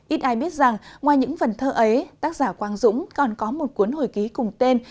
ít ai biết rằng ngoài những vần thơ ấy tác giả quang dũng còn có một cuốn hồi ký cùng tên